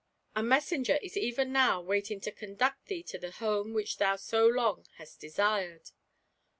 A messenger is even now waiting to conduct thee to the home which thou so long hast desired